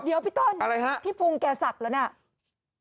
เดี๋ยวพี่ต้นพี่ฟุ้งแกสักแล้วนะอะไรฮะ